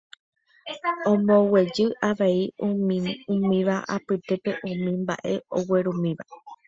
omboguejy avei umíva apytépe umi mba'e oguerumíva.